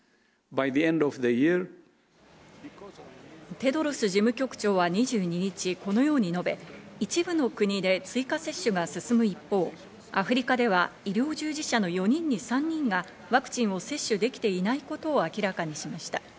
テドロス事務局長は２２日このように述べ、一部の国で追加接種が進む一方、アフリカでは医療従事者の４人に３人がワクチンを接種できていないことを明らかにしました。